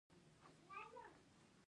ازادي راډیو د تعلیم د تحول لړۍ تعقیب کړې.